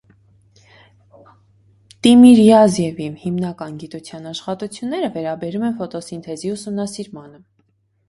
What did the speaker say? Տիմիրյազևի հիմնական գիտության աշխատությունները վերաբերում են ֆոտոսինթեզի ուսումնասիրմանը։